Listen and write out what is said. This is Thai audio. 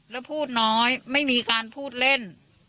แล้วพูดน้อยไม่มีการพูดเล่น